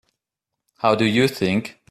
How do you think?